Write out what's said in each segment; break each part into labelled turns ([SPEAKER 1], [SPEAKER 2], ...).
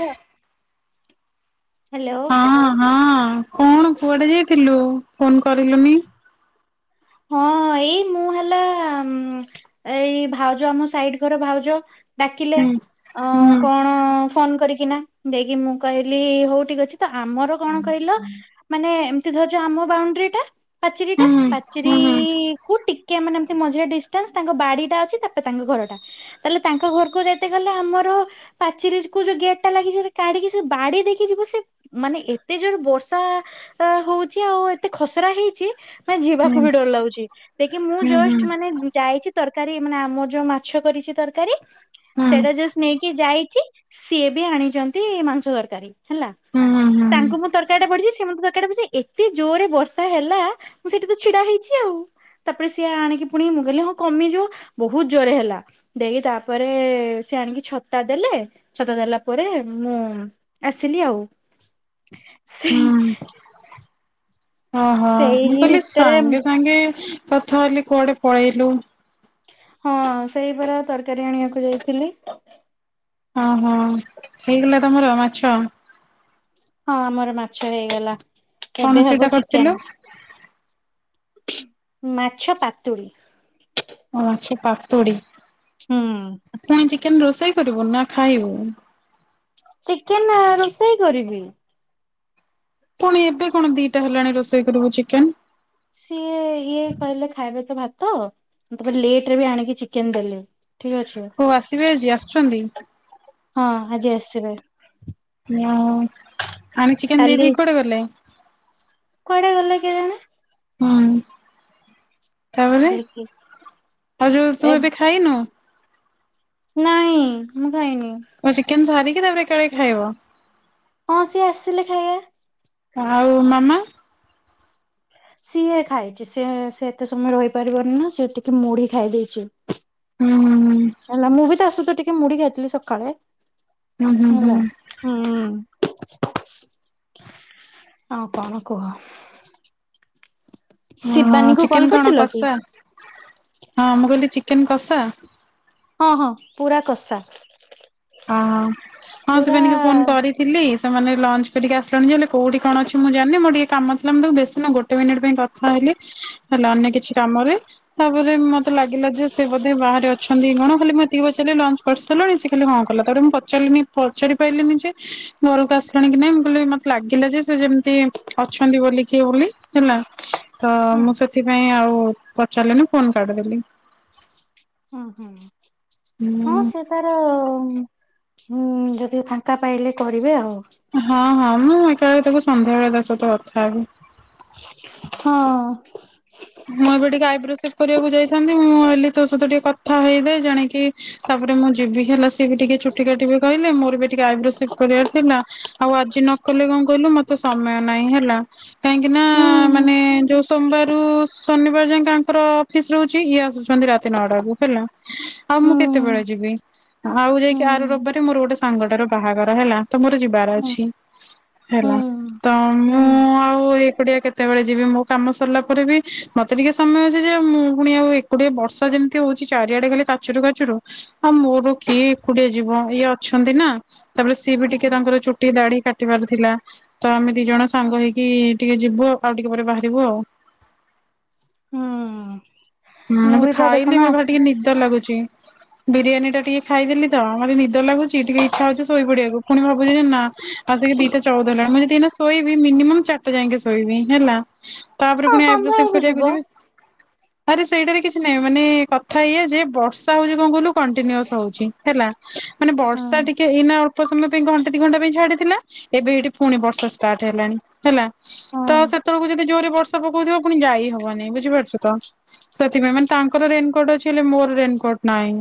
[SPEAKER 1] ହଁ।
[SPEAKER 2] ହଁ ହଁ। କଣ କୁଆଡେ ଯାଇଥିଲୁ? ଫୋନ କରିଲୁନି?
[SPEAKER 1] ହଁ ଏଇ ମୁଁ ହେଲା ଉଁ ଏଇ ଭାଉଜ ଆମ ସାଇଡ ଘର ଭାଉଜ, ଡାକିଲେ
[SPEAKER 2] ହୁଁ
[SPEAKER 1] ଅ
[SPEAKER 2] ହୁଁ
[SPEAKER 1] କଣ ହ ଫୋନ କରିକିନା। ଦେଇକି ମୁଁ କହିଲି ହଉ ଠିକ୍ ଅଛି। ତ ଆମର କଣ କହିଲ ମାନେ ଏମିତି ଧରଜୋ, ଆମ ବାଉଣ୍ଡ୍ରୀ ଟା ପାଚିରୀ ଟା,
[SPEAKER 2] ହୁଁ ହୁଁ
[SPEAKER 1] ପାଚିରୀ-ଇ-ଇ କୁ ଟିକେ ମାନେ ଏମତି ମଝିରେ ଡିଷ୍ଟାନ୍ସ, ତାଙ୍କ ବାଡି ଟା ଅଛି। ତାପରେ ତାଙ୍କ ଘର ଟା। ତାହେଲେ ତାଙ୍କ ଘରକୁ ଯାଇତେ ଗଲେ, ଆମର ପାଚିରିକୁ ଯୋଉ ଗେଟ୍ ଟା ଲାଗିଚି, ସେଟା କାଢିକି ସେ ବାଡି ଦେଇକି ଯିବୁ ସେ ମାନେ ଏତେ ଯୋର ବର୍ଷା, ଆ- ହଉଛି ଆଉ ଏତେ ଖସରା ହେଇଛି। ମାନେ ଯିବା
[SPEAKER 2] ହୁଁ
[SPEAKER 1] କୁ, ବି ଡର ଲାଗୁଚି। ଯାହାକି ମୁଁ
[SPEAKER 2] ହୁଁ ହୁଁ ହୁଁ
[SPEAKER 1] ଯଷ୍ଟ ମାନେ ଯାଇଚି ତରକାରୀ ମାନେ ଆମ ଯୋଉ ମାଛ କରିଛି ତରକାରୀ,
[SPEAKER 2] ହୁଁ
[SPEAKER 1] ସେଇଟା ଯଷ୍ଟ ନେଇକି ଯାଇଛି ସିଏ ବି ଆଣିଚନ୍ତି ମାଂସ ତରକାରୀ, ହେଲା।
[SPEAKER 2] ହୁଁ ହୁଁ ହୁଁ
[SPEAKER 1] ତାଙ୍କୁ ମୁଁ ତରକାରୀ ଟା ବଢ଼ିଚି ସେ ମତେ ତ୍ରକାରି ଟା ବଢ଼ିଚି, ଏତେ ଜୋରେ ବର୍ଷା ହେଲା ମୁଁ ସେଠି ତ ଛିଡା ହେଇଚି ଆଉ। ତାପରେ ସିଏ ଆଣିକି ପୁଣିି ମୁଁ କହିଲି ହଁ କମିଯିବ, ବହୁତ ଜୋରେ ହେଲା। ଦେଇକି ତାପରେ ସେ ଆଣିକି ଛତା ଦେଲେ। ଛତା ଦେଲା ପରେ ମୁଁ ଆସିଲି ଆଉ। ସେ ହି
[SPEAKER 2] ଅହ, ମୁଁ
[SPEAKER 1] ସେଇ
[SPEAKER 2] କହିଲି
[SPEAKER 1] ଭିତରେ
[SPEAKER 2] ସାଙ୍ଗେ ସାଙ୍ଗେ, କଥା ହେଲି କୁଆଡେ ପଳେଇଲୁ?
[SPEAKER 1] ହଁ ସେଇପରା ତରକାରୀ ଆଣିବାକୁ ଯାଇଥିଲି।
[SPEAKER 2] ଓହୋ। ହେଇଗଲା ତମର ମାଛ?
[SPEAKER 1] ହଁ ଆମର ମାଛ ହେଇଗଲା।
[SPEAKER 2] କଣ
[SPEAKER 1] ଏବେ
[SPEAKER 2] ସେଇଟା
[SPEAKER 1] ହବ
[SPEAKER 2] କରିଥିଲୁ?
[SPEAKER 1] ଚିକେନ୍। ମାଛ ପାତୁଳି।
[SPEAKER 2] ଓ ମାଛ ପାତୁଡ଼ି।
[SPEAKER 1] ହୁଁ।
[SPEAKER 2] ପୁଣି ଚିକେନ୍ ରୋଷେଇ କରିବୁ? ନା ଖାଇବୁ?
[SPEAKER 1] ଚିକେନ୍ ରୋଷେଇ କରିବି।
[SPEAKER 2] ପୁଣି ଏବେ କଣ ଦିଟା ହେଲାଣି ରୋଷେଇ କରିବୁ ଚିକେନ୍?
[SPEAKER 1] ସିଏ ଇଏ କହିଲେ ଖାଇବେ ତ ଭାତ, ତାପରେ ଲେଟ୍ ରେ ବି ଆଣିକି ଚିକେନ୍ ଦେଲେ। ଠିକ୍
[SPEAKER 2] ଓ ଆସିବେ ଆଜି ଆସୁଛନ୍ତି?
[SPEAKER 1] ଅଛି। ହଁ ଆଜି ଆସିବେ।
[SPEAKER 2] ଅ- ଆଣିକି ଚିକେନ୍ ଦେଇ
[SPEAKER 1] କାଲି
[SPEAKER 2] ଦେଇକି କୁଆଡେ ଗଲେ?
[SPEAKER 1] କୁଆଡେ ଗଲେ କେଜାଣି।
[SPEAKER 2] ହୁଁ, ତାପରେ
[SPEAKER 1] ଦେଖି
[SPEAKER 2] ଆଉ ଯୋଉ
[SPEAKER 1] ଏ
[SPEAKER 2] ତୁ ଏବେ ଖାଇନୁ?
[SPEAKER 1] ନାଇଁ ମୁଁ ଖାଇନି।
[SPEAKER 2] ଚିକେନ୍ ସାରିକି ତା ପରେ ଏକାବେଳେ ଖାଇବ?
[SPEAKER 1] ହଁ ସିଏ ଆସିଲେ ଖାଇବା।
[SPEAKER 2] ଆଉ ମାମା?
[SPEAKER 1] ସିଏ ଖାଇଛି ସିଏ ସେ ଏତେ ସମୟ ରହିପାରିବନି ନା, ସିଏ ଟିକେ ମୁଢି ଖାଇ ଦେଇେଇଛି।
[SPEAKER 2] ହୁଁ ହୁଁ। ହୁଁ
[SPEAKER 1] ହେଲା, ମୁଁ ବି ତା ସହିତ ଟିକେ ମୁଢ଼ି ଖାଇଥିଲି, ସକାଳେ
[SPEAKER 2] ହୁଁ ହୁଁ
[SPEAKER 1] ହେଲା। ହୁଁ। ଆଉ କଣ କୁହ?
[SPEAKER 2] ହୁଁ
[SPEAKER 1] ଶିବାନୀଙ୍କୁ
[SPEAKER 2] ଚିକେନ
[SPEAKER 1] କଲ୍
[SPEAKER 2] କଣ
[SPEAKER 1] କରିଥିଲ କି?
[SPEAKER 2] କଷା? ହଁ, ମୁଁ କହିଲି ଚିକେନ କଷା?
[SPEAKER 1] ହଁ ହଁ, ପୁରା କଷା।
[SPEAKER 2] ଓ, ହଁ
[SPEAKER 1] ପୁରା
[SPEAKER 2] ଶିବାନୀ କୁ ଫୋନ କରି ଥିଲି। ସେମାନେ ଲଞ୍ଚ କରିକି ଆସିଲଣି ଯେ କଉଠି କଣ ଅଛି ମୁଁ ଜାଣିନି, ମୋ ଟିକେ କାମଥିଲା ମୁ ବେଶୀ ନୁହ ଗୋଟେ ମିନିଟ୍ ପାଇଁ କ କଥା ହେଲି ଅନ୍ୟ କିଛି କାମରେ। ତାପରେ ମତେ ଲାଗିଲା ଯେ ସେ ବୋଧେ ବାହାରେ ଅଛନ୍ତି କଣ ଖାଲି ମୁଁ ଏତିକି ପଚାରିଲି ଲଞ୍ଚ କରିସାରିଲଣି ସେ ଖାଲି ହଁ କଲା ତାପରେ ମୁଁ ପଚାରିଲିନି ପଚାରି ପାଇଲିିନି ଯେ ଘରକୁ ଆସିଲୁଣି କି ନାଇଁ ମୁଁ କହିଲି ମତେ ଲାଗିଲା ଯେ ସେ ଯେମିତି ଅଛନ୍ତି ବୋଲି କି ବୋଲି ହେଲା। ତ
[SPEAKER 1] ହୁଁ
[SPEAKER 2] ମୁଁ ସେଥିପାଇଁ ଆଉ ପଚାରିଲିନି ଫୋନ କାଟିଦେଲି।
[SPEAKER 1] ଓ ହୋ। ହଁ ସେ
[SPEAKER 2] ହୁଁ
[SPEAKER 1] ତାର ଯଦି ଫାଙ୍କା ପାଇଲେ କରିବେ ଆଉ।
[SPEAKER 2] ହଁ ହଁ ମୁଁ ଏକାବେଳେ ତାକୁ ସନ୍ଧ୍ୟାବେଳେ ତା ସହିତ କଥା ହେବି।
[SPEAKER 1] ହଁ।
[SPEAKER 2] ମୁଁ ଏବେ ଟିକେ ଆଇବ୍ରୋ ସେଭ କରିବାକୁ ଯାଇଥାନ୍ତି ମୁଁ କହିଲି ତୋ ସହିତ ଟିକେ କଥା ହେଇଦେ ଜାଣିକି ତାପରେ ମୁଁ ଯିବି ହେଲା ସିଏ ବି ଟିକେ ଚୁଟି କାଟିବେ କିହିଲେ ମୋର ବି ଟିକେ ଆଇବ୍ରୋ ସେଭ କରିବାର ଥିଲା। ଆଉ ଆଜି ନକଲେ କଣ କହିଲୁ ମତେ ସମୟ ନାହିଁ ହେଲା। କାହିଁକି ନା
[SPEAKER 1] ହୁଁ
[SPEAKER 2] ମାନେ ଯୋଉ ସୋମବାର ରୁ ଶନିବାର ଯାଏଙ୍କର ଅଫିସ ରହୁଛି ଇଏ ଆସୁଛନ୍ତି ରାତି ନଅଟା କୁ ହେଲା। ଆଉ
[SPEAKER 1] ହୁଁ
[SPEAKER 2] ମୁଁ କେତେବେଳେ ଯିବି? ଆଉ
[SPEAKER 1] ହୁଁ
[SPEAKER 2] ଯାଇକି ଆର ରବିବାରେ ମୋର ଗୋଟେ ସାଙ୍ଗଟାର ବାହାଘର ହେଲା ତ ମୋର ଯିବାର
[SPEAKER 1] ହୁଁ
[SPEAKER 2] ଅଛି। ହେଲା
[SPEAKER 1] ହୁଁ।
[SPEAKER 2] ତ ମୁଁ
[SPEAKER 1] ହୁଁ
[SPEAKER 2] ଆଉ ଏକୁଟିଆ କେତେବେଳେ ଯିବି ମୋ କାମ ସରିଲା ପରେ ବି ମତେ ଟିକେ ସମୟ ଅଛି ଯେ ମୁଁ ପୁଣି ଆଉ ଏକୁଟିଆ ବର୍ଷା ଯେମିତି ହଉଛି ଚାରିଆଡେ କାଲି କାଚୁରୁ କାଚୁରୁ ହଁ ମୋର କିଏ ଏକୁଟିଆ ଯିବ ଇଏ ଅଛନ୍ତି ନା ତାପରେ ସିଏ ବି ଟିକେ ତାଙ୍କର ଚୁ ଟିକେ ଦାଢ଼ୀ କାଟିବାର ଥିଲା ତ ଆମେ ଦି ଜଣ ସାଙ୍ଗ ହେଇକି ଟିକେ ଯିବୁ ଆଉ ଟିକେ ପରେ ବାହାରିବୁ ଆଉ।
[SPEAKER 1] ହୁଁ।
[SPEAKER 2] ହୁଁ ମୁଁ
[SPEAKER 1] ବି ପା ଦେଖୁନ
[SPEAKER 2] ଖାଇଲେ ମୋର
[SPEAKER 1] ଆସ
[SPEAKER 2] ଭ ଟିକେ ନିଦ ଲାଗୁଛି। ବିରିୟାନୀ ଟା ଟିକେ ଖାଇଦେଲି ତ ମତେ ନିଦ ଲାଗୁଛି ଟିକେ ଇଚ୍ଛା ହଉଛି ଶୋଇପଡିବାକୁ ପୁଣି ଭାବୁଛି ନା ଆସିକି ଦିଟା ଚଉଦା ହେଲାଣି ମୁଁ ଯି ଦିନ ଶୋଇବି ମିନିମମ୍ ଚାରିଟା ଯାଇକି ଶୋଇବି ହେଲା। ତାପରେ
[SPEAKER 1] ହଁ
[SPEAKER 2] ପୁଣି ଆଇବ୍ରୋ ସେଭ୍
[SPEAKER 1] ସନ୍ଧ୍ୟାବେଳକୁ
[SPEAKER 2] କରିବାକୁ
[SPEAKER 1] ଯିବ।
[SPEAKER 2] ଯିବି। ଆରେ ସେଇଟାରେ କିଛି ନାହିଁ ମାନେ କଥା ଇଏ ଯେ ବର୍ଷା ହଉଛି କଣ କହିଲୁ କଣ୍ଟିନିଅସ ହଉଛି ହେଲା। ମାନେ
[SPEAKER 1] ହଁ
[SPEAKER 2] ବର୍ଷା ଟିକେ ଏଇନା ଉପସମ ପାଇଁ ଘଣ୍ଟା ଦି ଘଣ୍ଟା ପାଇଁ ଛାଡିଥିଲା ଏବେ ଏଇଠି ପୁଣି ବର୍ଷା ଷ୍ଟାର୍ଟ ହେଲାଣି ହେଲା।
[SPEAKER 1] ହଁ।
[SPEAKER 2] ତ ସେତେବେଳକୁ ଯଦି ଜୋରେ ବର୍ଷା ପକଉଥିବ ପୁଣି ଯାଇ ହବନି ବୁଝିପାରୁଛ ତ। ସେଥିପାଇଁ ମାନେ ତାଙ୍କର ରେନକୋଟ୍ ଅଛି ବୋଲି ମୋର ରେନକୋଟ୍ ନାହିଁ।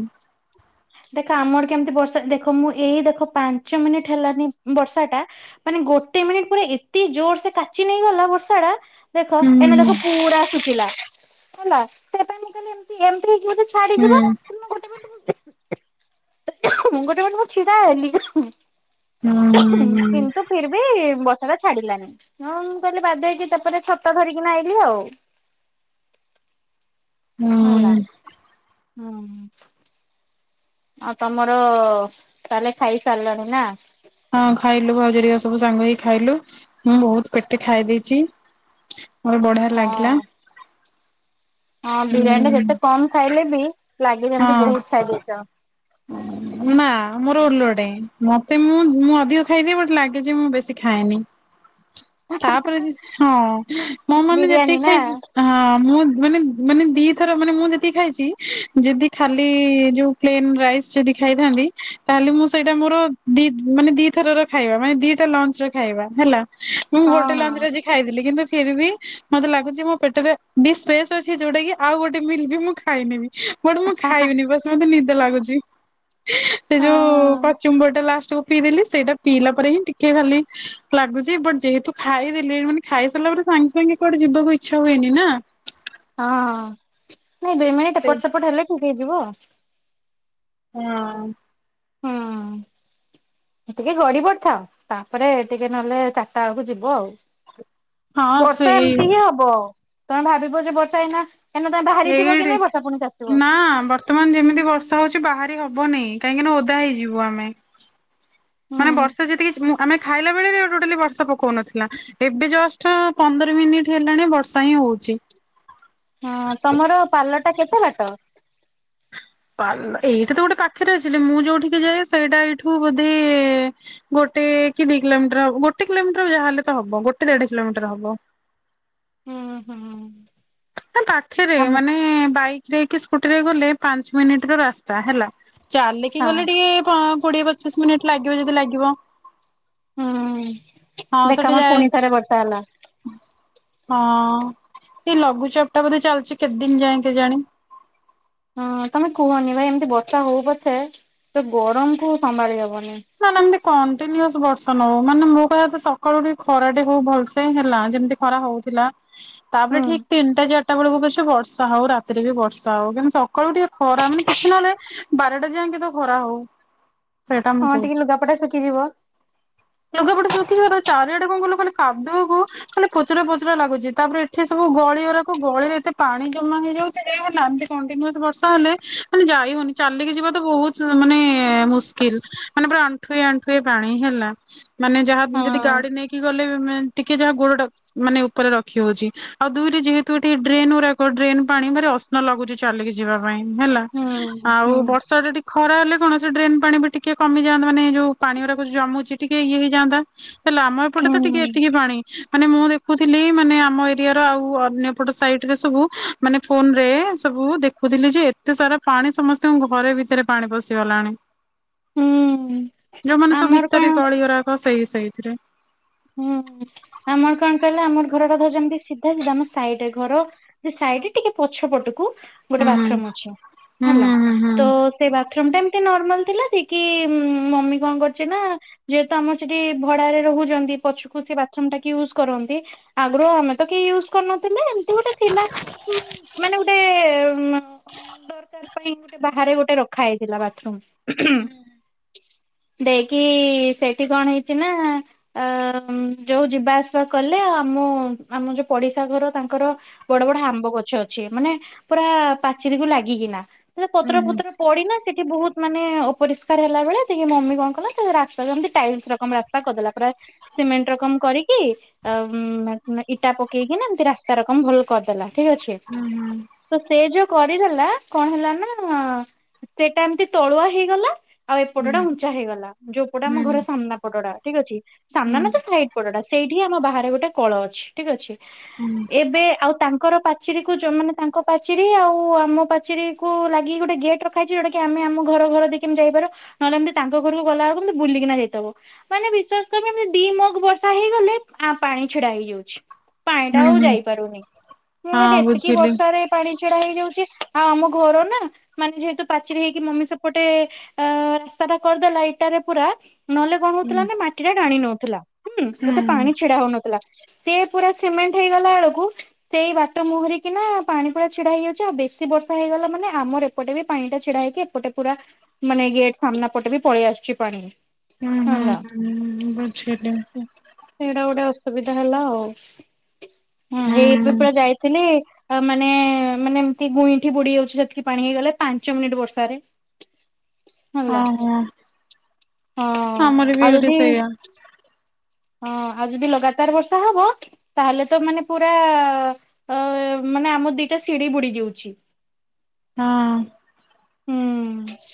[SPEAKER 1] ଦେଖ ଆମର କେମିତି ବର୍ଷା ଦେଖ ମୁଁ ଏଇ ଦେଖ ପାଞ୍ଚ ମିନିଟ ହେଲାନି ବର୍ଷା ଟା। ମାନେ ଗୋଟେ ମିନିଟ ପୁରା ଏତେ ଜୋର ସେ କାଚି ନେଇଗଲା ବର୍ଷା ଟା ଦେଖ
[SPEAKER 2] ହୁଁ ହୁଁ
[SPEAKER 1] ଏଇନା
[SPEAKER 2] ହୁଁ।
[SPEAKER 1] ଦେଖ ପୁରା ଶୁଚିଲା ହେଲା ସେଇଥିପାଇଁ ମୁଁ କହିଲି ଏମିତି ଏମିତି ହେଇ ଛାଡିିବ
[SPEAKER 2] ହୁଁ
[SPEAKER 1] ଗୋଟେ ମୁଁ ଗୋଟେ ମିନିଟ୍ ଛିଡା ହେଲି।
[SPEAKER 2] ହୁଁ
[SPEAKER 1] କିନ୍ତୁ ଫିର ବି ବର୍ଷାଟା ଛାଡ଼ିଲାନି ହଁ ମୁଁ କହିଲି ବାଧ୍ୟ ହେଇକି ତାପରେ ଛତା ଧରିକି ନା ଆଇଲିି ଆଉ। ହେଲା
[SPEAKER 2] ହୁଁ
[SPEAKER 1] ହୁଁ। ଆଉ ତମର ତାହେଲେ ଖାଇସାରିଲାଣି ନା?
[SPEAKER 2] ହଁ ଖାଇଲୁ ଭାଉଜ ହେରିକା ସବୁ ସାଙ୍ଗ ହେଇ ଖାଇଲୁ ମୁଁ ବହୁତ ପେଟେ ଖାଇ ଦେଇଛି। ମୋତେ ବଢିଆ
[SPEAKER 1] ହଁ
[SPEAKER 2] ଲାଗିଲା।
[SPEAKER 1] ହଁ
[SPEAKER 2] ଉଁ
[SPEAKER 1] ବିରିୟାନୀ ଟା ଯେତେ କମ ଖାଇଲେ ବି ଲାଗେ ସେମିତି
[SPEAKER 2] ହଁ
[SPEAKER 1] ବହୁତ ଖାଇଦେଇଛ?
[SPEAKER 2] ନା। ମୋର ଓଲଟି ମତେ ମୁଁ ମୁଁ ଅଧିକ ଖାଇଦିଏ ବଟ ଲାଗେ ଯେ ମୁଁ ବେଶୀ ଖାଏନି।
[SPEAKER 1] [inaudible]
[SPEAKER 2] ତାପରେ ହଁ ମୋ ମାନେ
[SPEAKER 1] ବିରିୟାନୀ
[SPEAKER 2] ଯେତିକି
[SPEAKER 1] ନା
[SPEAKER 2] ଖାଇଛି ହଁ ମୁଁ ମାନେ ମାନେ ଦିଥର ମାନେ ମୁଁ ଯେତିକି ଖାଇଛି ଯଦି ଖାଲି ଯୋଉ ପ୍ଲେନ ଯଦି ଖାଇଥାନ୍ତି ତାହେଲେ ମୁଁ ସେଇଟା ମୋର ମାନେ ଦିଥର ଖାଇବା ମାନେ ଦିଟା ଲ ଖାଇବା ହେଲା ମୁଁ
[SPEAKER 1] ହଁ
[SPEAKER 2] ଗୋଟେ ଲଞ୍ଚରେ ଆଜି ଖାଇଥିଲି କିନ୍ତୁ ଫିରବି ମତେ ଲାଗୁଛି ମୋ ପେଟରେ ବି ସ୍ପେସ୍ ଅଛି ଯୋଉଟା କି ଆଉ ଗୋଟେ ମିଲ୍ ବି ମୁଁ ଖାଇନେବି। ବଟ ମୁଁ
[SPEAKER 1] ହଁ
[SPEAKER 2] ଖାଇବିନି ବାସ ମତେ ନିଦ ଲାଗୁଛି। ସେ
[SPEAKER 1] ହଁ
[SPEAKER 2] ଯୋଉ କଚ୍ୟୁମ୍ବରଟା ଲାଷ୍ଟକୁୁ ପିଇଦେଲି, ସେଇଟା ପିଇଲା ପରେ ହିଁ ଟିକେ ଖାଲି ଲାଗୁଛି ବଟ ଯେହେତୁ ଖାଇଦେଲି, ମାନେ ଖାଇ ସାରିଲା ପରେ ସାଙ୍ଗେ ସାଙ୍ଗେ କୁଆଡେ ଯିବାକୁ ଇଚ୍ଛା ହୁଏନି ନା।
[SPEAKER 1] ହଁ- ହଁ ନାଇଁ ଦୁଇ ମିନିଟ ଏପଟ ସେପଟ ହେଲେ ଠିକ୍ ହେଇଯିବ ଆଉ।
[SPEAKER 2] ହଁ।
[SPEAKER 1] ହଁ। ଟିକେ ଗଡି ପଡିଥାଅ, ତାପରେ ଟିକେ ନହେଲେ ଚାରିଟା ବେଳକୁ ଯିବ ଆଉ।
[SPEAKER 2] ହଁ
[SPEAKER 1] ବର୍ଷା
[SPEAKER 2] ସେଇ
[SPEAKER 1] ଏମିତି ହିଁ ହବ, ତମେ ଭାବିବ ଯେ ବର୍ଷା ଏଇନା [unintelligible] ବାହାରିଥିବ କି ନାଇଁ ବର୍ଷା ପୁଣି କାଚିବ
[SPEAKER 2] ବାର୍ତ୍ତମାନ ଯେମିତି ବର୍ଷା ହଉଛି ବାହାରି ହବନେଇ, କାହିଁକିନା ଓଦା ହେଇଯିବୁ ଆମେ।
[SPEAKER 1] ହୁଁ।
[SPEAKER 2] ମାନେ ବର୍ଷା ଯେତିକି ଆମେ ଖାଇଲା ବେଳେ ବି, ଟୋଟାଲି ବର୍ଷା ପଉକନଥିଲା। ଏବେ ଜଷ୍ଟ ପନ୍ଦର ମିନିଟ ହେଲାଣି, ବର୍ଷା ହିଁ ହଉଛି।
[SPEAKER 1] ହଁ ତମର ପାର୍ଲରଟା କେତେ ବାଟ?
[SPEAKER 2] ଏଇଟି ତ ଗୋଟେ ପାଖରେ ଅଛିି, ହେଲେ ମୁଁ ଯୋଉଠିକି ଯାଏ ସେଇଟା ଏଇଠୁ ବୋଧେ ଗୋଟେ କି ଦି କିଲୋମିଟର ହବ ଗୋଟେ କିଲୋମିର, ଯାହା ହେଲେ ତ ହବ ଗୋଟେ ଦେଢ କିଲୋମିଟର ହବ।
[SPEAKER 1] ହୁଁ- ହୁଁ।
[SPEAKER 2] ନାଁ ପାଖେରେ,
[SPEAKER 1] ଆମ
[SPEAKER 2] ମାନେ ବାଇକରେ କି ସ୍କୁଟିରେ ଗଲେ ପାଞ୍ଚ ମିନିଟ୍ ର ରାସ୍ ସ୍ତା ହେଲା। ଚାଲିକି
[SPEAKER 1] ହଁ
[SPEAKER 2] ଗଲେ ଟିକେ ପ କୋଡିଏ ପଚିଶ ମିନିଟ ଲାଗିବ ଯଦି ଲାଗିବ।
[SPEAKER 1] ହୁଁ
[SPEAKER 2] ହଁ ସେଠି
[SPEAKER 1] ଦେଖମ
[SPEAKER 2] ଯାଏ
[SPEAKER 1] ପୁଣି ଥରେ ବର୍ଷା ହେଲା।
[SPEAKER 2] ହଁ। ଏଇ ଲଘୁଚପ ଟା ବୋଧେ ଚାଲିଛି କେତେ ଦିନ ଯାଏ କେଜାଣି?
[SPEAKER 1] ହଁ ତମେ କୁହନି ଭାଇ ଏମିତି ବର୍ଷା ହଉ ପଛେ, ସେ ଗରମକୁ ସମ୍ଭାଳି ହବନି।
[SPEAKER 2] ନା- ନା ଏମିତି କଣ୍ଟିନିୟୋସ ବର୍ଷ ନହଉ, ମାନେ ମୋ କହିବା କଥା ସକାଳୁ ଟିକେ ଖରାଟେ ହଉ ଭଲସେ ହେଲା। ଯେମିତି ଖରା ହଉଥିଲା
[SPEAKER 1] ହୁଁ
[SPEAKER 2] ତାପରେ ଠିକ ତିନିଟା ଚାରିଟା ବେଳକୁ ପଛେ ବର୍ଷା ହଉ, ରାତିରେ ବି ବର୍ଷା ହଉ। କିନ୍ତୁ ସ ସକାଳୁ ଟିକେ ଖରା ମାନେ କିଛି ନହେଲେ, ବାରଟା ଯାଏ ଙ୍କେ ତ ଖରା ହଉ। ସେଇଟା ମୁଁ
[SPEAKER 1] ହଁ ଟିକେ ଲୁଗାପଟା ଶୁଖିଯିବ।
[SPEAKER 2] ଲୁଗାପଟେ ଶୁଖିଯିବ, ତାପରେ ଚାରିଆଡେ କଣ କହିଲୁ ଖାଲି କାଦୁଅକୁ ଖାଲି ପଚରା ପଚରା ଲାଗୁଛି, ତାପରେ ଏଠି ସବୁ ଗଳି ଗୁରାକ ଗଳିରେ ଏତେ ପାଣି ଜମା ହେଇଯାଉ [unintelligible] ଏମିତି କଣ୍ଟିନିୟୋସ ବର୍ଷା ହେଲେ ମାନେ ଯାଇ ହଉନି, ଚାଲିକି ଯିବା ତ ବହୁତ ମାନେ ମୁସ୍ କିଲ୍, ମାନେ ପୁରା ଆଣ୍ଠୁଏ ଆଣ୍ଠୁଏ ପାଣି ହେଲା। ମାନେ ଯାହା
[SPEAKER 1] ହଁ
[SPEAKER 2] ଯଦି ଗାଡି ନେଇ କି ଗଲେ ବି ମେନ୍, ଟିକେ ଯାହା ଗୋଡଟା ମାନେ ଉପରେ ରଖି ହଉଛି। ଆଉ ଦୁଇରେ ଯେହେତୁ ଏଠି ଡ୍ରେନ୍ ଗୁରାକ, ଡ୍ରେନ ପାଣି ଭାରି ଅସନା ଲାଗୁଛି ଚାଲିକି ଯିବା ପାଇଁ ହେଲା।
[SPEAKER 1] ହୁଁ
[SPEAKER 2] ଆଉ
[SPEAKER 1] ହୁଁ
[SPEAKER 2] ବର୍ଷାଟା ଟିକେ ଖରା ହେଲେ, କଣ ସେ ଡ୍ରେନ୍ ପାଣି ବି ଟିକେ କମିଯାଆନ୍ତା ମାନେ ଯୋଉ ପାଣି ଗୁରାକ, ଯୋଉ ଜମୁଛି ଟିକେ ଇଏ ହେଇଯାଆନ୍ତା। ହେଲେ ଆମ ଏପଟେ
[SPEAKER 1] ହୁଁ
[SPEAKER 2] ତ ଟିକେ ଏତିକି ପାଣି ମାନେ ମୁଁ ଦେଖୁଥିଲି, ମାନେ ଆମ ଏରିଆର ଆଉ ଅନ୍ୟପଟ ସାଇଟରେ ସବୁ ମାନେ ଫୋନରେ ସବୁ ଦେଖୁଥିଲି ଯେ, ଏତେ ସାରା ପାଣି ସମସ୍ତଙ୍କ ଘରେ ଭିତରେ ପାଣି ପଶିଗଲାଣି।
[SPEAKER 1] ହୁଁ
[SPEAKER 2] ଯୋଉମାନେ ସବୁ
[SPEAKER 1] ଆମର କଣ
[SPEAKER 2] ଭିତରେ ଗଳି ଗୁରାକ ସେଇ ସେଇଥିରେ।
[SPEAKER 1] ହୁଁ ଆମର କଣ କହିଲ, ଆମର ଘରଟା ଧର ଯେମିତି ସିଧା ସିଧା ଆମ ସାଇଡରେ ଘର ସେ ସାଇଡରେ ଟିକେ ପଛ ପଟକୁ ଗୋଟେ
[SPEAKER 2] ହୁଁ
[SPEAKER 1] ବାଥରୁମ
[SPEAKER 2] ହୁଁ
[SPEAKER 1] ଅଛି ହେଲା।
[SPEAKER 2] ହୁଁ ହୁଁ
[SPEAKER 1] ତ ସେ ବାଥରୁମଟା ଏମିତି ନର୍ମାଲ ଥିଲା, ଯେ କିି ମମି କଣ କରିଚି ନା ଯେହେତୁ ଆମ ସେଠି ଭଡାରେ ରହୁଛନ୍ତି, ପଛୁ କୁ ସେ ବାଥ୍ରୁମ୍ ଟା କିଏ ୟୁଜ କରନ୍ତି, ଆଗରୁ ଆମେ ତ କେହି ୟୁଜ କରୁନଥିଲେ, ଏମିତି ଗୋଟେ ଥିଲା ମାନେ ସେ [unintelligible] ଦରକାର ପାଇଁ, ଗୋଟେ ବାହାରେ ଗୋଟେ ରଖା ହେଇଥିଲା ବାଥରୁମ୍। ଉଁ - ହୁଁ ଦେଇକି ସେଠି କଣ ହେଇଛି ନା ଆ ଉଁ ଯୋଉ ଯିବା ଆସିବା କଲେ, ଆ ଆମ ଆମ ଯୋଉ ପଡିଶା ଘର ତାଙ୍କର ବଡ ବଡ ଆମ୍ବ ଗଛ ଅଛି, ମାନେ ପୁରା ପାଚେରୀକୁ ଲାଗିକିନା। ସେ ପତ୍ର
[SPEAKER 2] ହୁଁ
[SPEAKER 1] ଫତ୍ର ପଡି ନା ସେଠି ବହୁତ ମାନେ ଅପରିଷ୍କାର ହେଲା ଭଳିଆ, ଟିକେ ମମି କଣ କଲା ରାସ୍ତା ଯେମିତି ଟାଇଲସ ରକମ୍ ରାସ୍ତା କରିଦେଲା। ପୁରା ସିମେଣ୍ଟ ରକମ କରିକି ଆ ଉ ଇଟା ପକେଇକିନା ଏମିତି ରାସ୍ତା ରକମ ଭଲ କରିଦେଲା ଠିକ ଅଛି
[SPEAKER 2] ହୁଁ ହୁଁ।
[SPEAKER 1] ତ ସେ ଯୋଉ କରିଦେଲା କଣ ହେଲା ନା ସେଟା ଏମିତି ତଳୁଆ ହେଇଗଲା। ଆଉ
[SPEAKER 2] ହୁଁ ହୁଁ
[SPEAKER 1] ଏପଟା ଉଞ୍ଚା ହେଇଗଲା ଯୋଉପଟେ
[SPEAKER 2] ହୁଁ
[SPEAKER 1] ଆମ ଘର ସାମ୍ନା ପଟଟା ଠିକ ଅଛି
[SPEAKER 2] ହୁଁ
[SPEAKER 1] ସାମ୍ନା ନା ତ ସା ଏଇପଡଟା ସେଇଠି ଆମ ବାହାରେ ଗୋଟେ କଳ ଅଛି ଠିକ ଅଛି।
[SPEAKER 2] ହୁଁ।
[SPEAKER 1] ଏବେ ଆଉ ତାଙ୍କର ପାଚିରୀ କୁ ଯୋଉ ମାନେ ତାଙ୍କ ପାଚେରୀ ଆଉ ଆମ ପାଚେରୀକୁୁ ଲାଗି ଗୋଟେ ଗେଟ୍ ର ଖା ହେଇଛି ଯଉଟା କି ଆମେ ଆମ ଘର ଘରଦେଇକି ଏମିତି ଯାଇପାରୁ ନହେଲେ ଏମତି ତାଙ୍କ ଘରକୁ ଗଲାବେଳୁକୁ ଅନ୍ତି ବୁଲିକିନା ଯାଇତବା କୁମ ବୁଲିକିନା ଯାଇତବ। ମାନେ ବିଶ୍ଵାସ କରବନି ଦିମଗ ବର୍ଷା ହେଇଗଲେ ଆ ପାଣି ଛିଡା ହେଇଯାଉଛି। ପାଣି ଟା ଆଉ
[SPEAKER 2] ହୁଁ
[SPEAKER 1] ଯାଇପାରୁନି ମୁଁ କଲି
[SPEAKER 2] ହଁ
[SPEAKER 1] ଏତିକି
[SPEAKER 2] ବୁଝିଲି
[SPEAKER 1] ବର୍ଷାରେ ପାଣି ଛିଡା ହେଇଯାଉଛି ଆଉ ଆମ ଘର ନା ମାନେ ଯେହେତୁ ପାଚିରି ହେଇକି ମମି ସେପଟେ ଅ ରାସ୍ତା ଟା କରିଦେଲା ଇଟାରେ ପୁରା ନହେଲେ କଣ
[SPEAKER 2] ହୁଁ
[SPEAKER 1] ହଉଥିଲା ନା ମାଟି ଟା ଟାଣି ନଉଥିଲା ହୁଁ ସେତେ ପାଣି ଛିଡା ହଉନଥିଲା। ସିଏ ପୁରା ସିମେଣ୍ଟ ହେଇଗଲା ଅଳକୁ ସେଇ ବାଟ ମୁହଁରେକିନା ପାଣି ପୁରା ଛିଡା ହେଇଯାଉଛି ଆଉ ବେଶୀ ବର୍ଷା ହେଇଗଲା ମାନେ ଆମର ଏପଟେ ବି ପାଣି ଟା ଛିଡା ହେଇକି ଏପଟେ ପୁରା ମାନେ ଗେଟ ସାମ୍ନା ପଟେ ବି ପଳେଇ ଆସୁଛି ପାଣି।
[SPEAKER 2] ହୁଁ
[SPEAKER 1] ହେଲା।
[SPEAKER 2] ହୁଁ ହୁଁଁ ବଛିଟି।
[SPEAKER 1] ସେଇଟା ଗୋଟେ ଅସୁବିଧା ହେଲା ଆଉ। ହଁ ହେଇବେ
[SPEAKER 2] ହୁଁ
[SPEAKER 1] ପୁରା ଯାଇଥିଲି। ଅ ମାନେ ମାନେ ଏମିତି ଗୁଇଁଠି ବୁଡି ଯାଉଛି ଯେତିକି ପାଣି ହେଇଗଲେ ପାଞ୍ଚ ମିନିଟ୍ ବର୍ଷାରେ। ହେଲା
[SPEAKER 2] ଓହୋ
[SPEAKER 1] ହଁ
[SPEAKER 2] ଆମର ବି
[SPEAKER 1] ଆଉ
[SPEAKER 2] ଏଇଠି
[SPEAKER 1] ଯଦି
[SPEAKER 2] ସେଇଆ
[SPEAKER 1] ହଁ ଆଉ ଯଦି ଲଗାତାର ବର୍ଷା ହବ ତାହେଲେ ତ ମାନେ ପୁରା ଅ ମାନେ ଆମ ଦିଟା ସିଢଡିି ବୁଡି ଯାଉଛି।
[SPEAKER 2] ହଁ।
[SPEAKER 1] ହୁଁ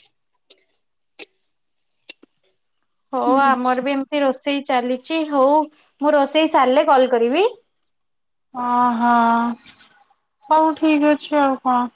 [SPEAKER 1] ହଉ ଆମର ବି ଏମିତି ରୋଷେଇ ଚାଲିଚି ହଉ ମୁଁ ରୋଷେଇ ସାରିଲେ କଲ କରିବି।
[SPEAKER 2] ଓହୋ ହଉ ଠିକ ଅଛି ଆଉ କଣ